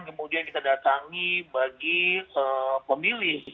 kemudian kita datangi bagi pemilih